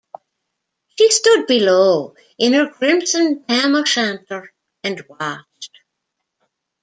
She stood below in her crimson tam-o’-shanter and watched.